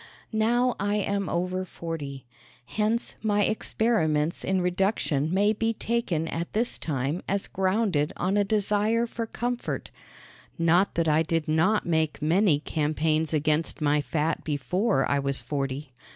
Now I am over forty. Hence my experiments in reduction may be taken at this time as grounded on a desire for comfort not that I did not make many campaigns against my fat before I was forty.